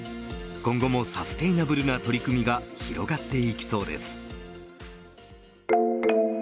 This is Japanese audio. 今後もサステイナブルな取り組みが広がっていきそうです。